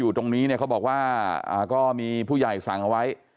ตรงนี้เนี่ยเขาบอกว่าก็มีผู้ใหญ่สั่งเอาไว้